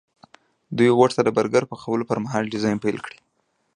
دوی غوښتل د برګر پخولو پرمهال ډیزاین پیل کړي